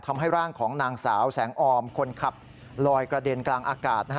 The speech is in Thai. ทำให้ร่างของนางสาวแสงออมคนขับลอยกระเด็นกลางอากาศ